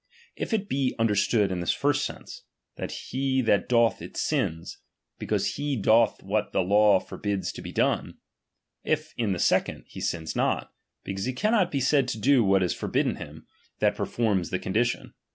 If it be nn ^M derstood in the first sense, he that doth it sins, ^V because he doth what the law forbids to be done ; H if in the second, he sins not, because he cannot be ^K said to do what is forbidden him, that performs ^B the condition.